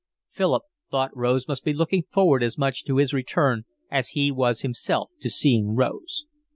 Philip thought Rose must be looking forward as much to his return as he was himself to seeing Rose.